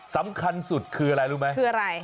สำคัญสุดคืออะไรรู้ไหมคืออะไร